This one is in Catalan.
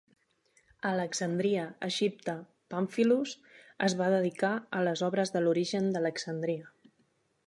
A Alexandria, Egipte, Pamphilus es va dedicar a les obres de l'Origen d'Alexandria.